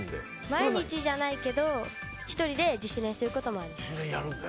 毎日じゃないけど１人で自主練することもあります。